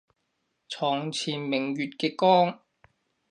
床前明月嘅光